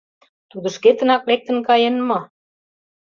— Тудо шкетынак лектын каен мо?